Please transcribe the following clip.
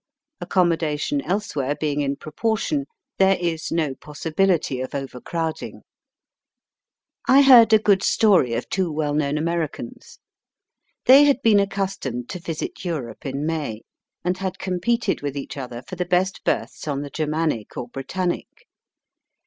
Ac commodation elsewhere being in proportion, there is no possibility of overcrowding. Digitized by Google 6 EAST BY WEST. I heard a good story of two well known Americans. They had been accustomed to visit Europe in May, and had competed with each other for the best berths on the Germanic or Britannic.